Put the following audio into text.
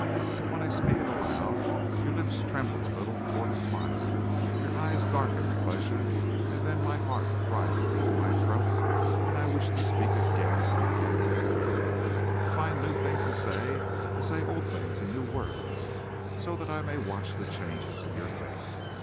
But when I speak it aloud your lips tremble a little toward a smile, your eyes darken with pleasure, and then my heart rises into my throat and I wish to speak again and again and again to find new things to say, to say old things in new words. So that I may watch the changes in your face.